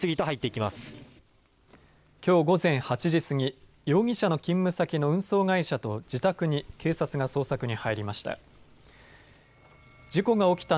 きょう午前８時過ぎ、容疑者の勤務先の運送会社と自宅に警察が捜索に入りました。